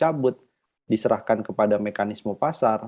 kalau subsidi dicabut diserahkan kepada mekanisme pasar